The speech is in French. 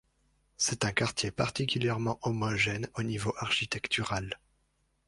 C'est un quartier particulièrement homogène au niveau architectural.